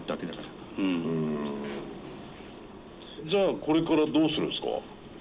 じゃあこれからどうするんすか？